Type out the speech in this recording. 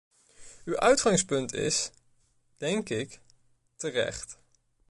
Uw uitgangspunt is, denk ik, terecht.